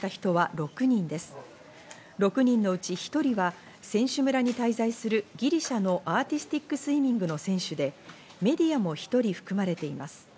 ６人のうち１人は選手村に滞在するギリシャのアーティスティックスイミングの選手でメディアも１人、含まれています。